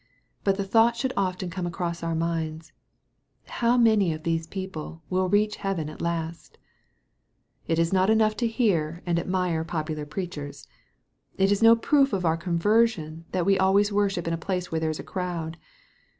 But the thought should often come across our minds, " How many of these people will reach heaven at last ?" It is not enough to hear and admire popular preachers. It is no proof of our conversion that we always worship in a place where there is a crowd.